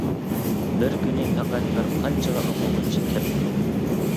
بىر كۈنى پەقەت بىر قانچىلا ئوقۇغۇچى كەپتۇ.